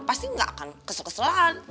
pasti gak akan kesel keselan